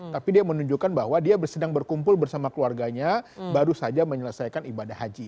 tapi dia menunjukkan bahwa dia sedang berkumpul bersama keluarganya baru saja menyelesaikan ibadah haji